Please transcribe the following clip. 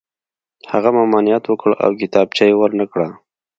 هغه ممانعت وکړ او کتابچه یې ور نه کړه